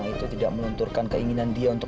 sita mama masih hidup